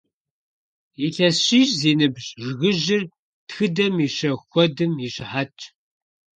Илъэс щищ зи ныбжь жыгыжьыр тхыдэм и щэху куэдым и щыхьэтщ.